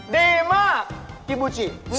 ดีมากกิบูจิ